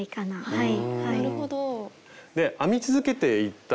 はい。